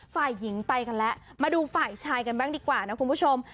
ฝ่ายหญิงไปกันแล้วมาดูฝ่ายชายกันบ้างดีกว่านะคุณผู้ชม